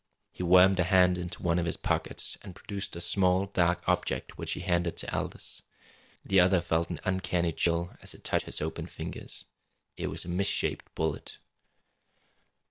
He wormed a hand into one of his pockets and produced a small dark object which he handed to Aldous The other felt an uncanny chill as it touched his fingers. It was a mis shapened bullet.